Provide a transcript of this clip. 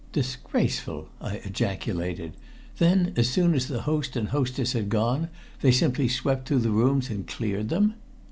"Disgraceful!" I ejaculated. "Then as soon as the host and hostess had gone, they simply swept through the rooms and cleared them?"